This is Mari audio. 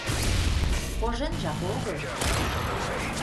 — Коженжак огыл.